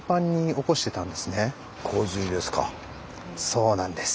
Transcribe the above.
そうなんです。